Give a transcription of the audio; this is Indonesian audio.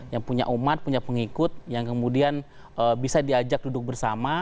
yang punya umat punya pengikut yang kemudian bisa diajak duduk bersama